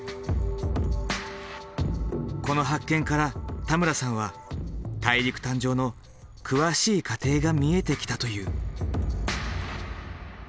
この発見から田村さんは大陸誕生の詳しい過程が見えてきたという。